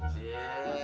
di rumah lo